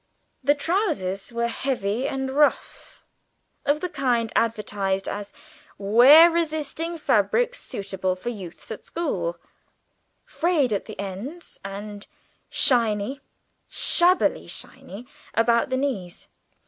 The trousers were heavy and rough, of the kind advertised as "wear resisting fabrics, suitable for youths at school," frayed at the ends, and shiny shamefully shiny about the knees!